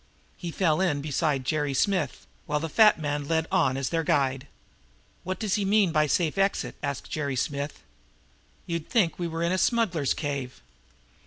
He fell in beside Jerry Smith, while the fat man led on as their guide. "What does he mean by a safe exit?" asked Jerry Smith. "You'd think we were in a smuggler's cave."